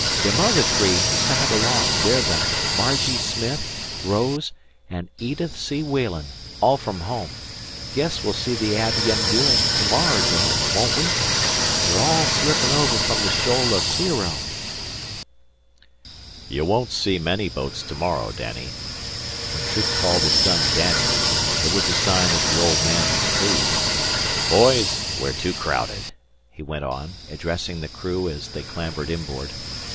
Them other three, side along, they're the Margie Smith, Rose, and Edith S. Walen, all from home. 'Guess we'll see the Abbie M. Deering to morrer, Dad, won't we? They're all slippin' over from the shaol o' 'Oueereau." "You won't see many boats to morrow, Danny." When Troop called his son Danny, it was a sign that the old man was pleased. "Boys, we're too crowded," he went on, addressing the crew as they clambered inboard.